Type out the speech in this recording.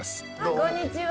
こんにちは。